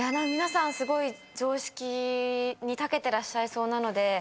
皆さんすごい常識にたけてらっしゃいそうなので。